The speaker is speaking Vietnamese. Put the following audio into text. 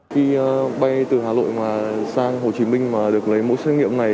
khi bay từ hà nội sang hồ chí minh mà được lấy mẫu xét nghiệm này